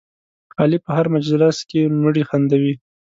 علي په هر مجلس کې مړي خندوي.